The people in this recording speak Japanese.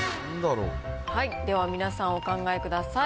では、皆さんお考えください。